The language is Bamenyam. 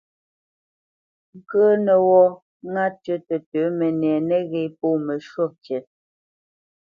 Ŋkə̄ə̄nə́ wɔ́ ŋá tʉ tətə̌ mənɛ nəghé pô məshwúʼ ŋkǐ.